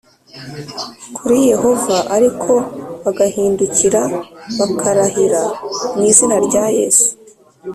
kuri Yehova ariko bagahindukira bakarahira mu izina rya yesu